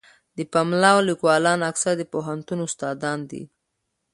د پملا لیکوالان اکثره د پوهنتون استادان دي.